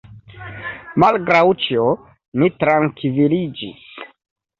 Malgraŭ ĉio, ni trankviliĝis.